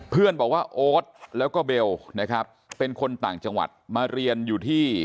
เพื่อนบอกว่าโอ๊ตแล้วก็เบลนะครับเป็นคนต่างจังหวัดมาเรียนอยู่ที่